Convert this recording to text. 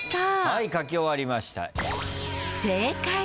はい書き終わりました。